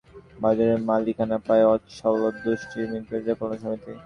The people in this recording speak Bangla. ডিএসসিসির মাধ্যমে কলোনি বাজারের মালিকানা পায় অসচ্ছল দুস্থ মুক্তিযোদ্ধা কল্যাণ সমিতি।